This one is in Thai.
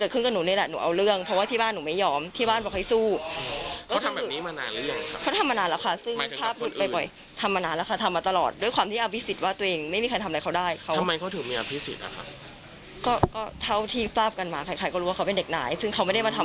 ก็จำหน่ายว่าเป็นราชการที่อื่นไม่มีใครเอาผิดค่ะ